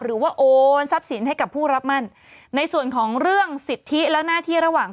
โอนทรัพย์สินให้กับผู้รับมั่นในส่วนของเรื่องสิทธิและหน้าที่ระหว่าง